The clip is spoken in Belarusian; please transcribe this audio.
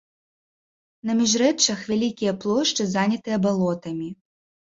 На міжрэччах вялікія плошчы занятыя балотамі.